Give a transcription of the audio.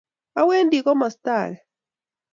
Awendi komasta ake